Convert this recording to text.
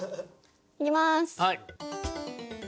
いきます！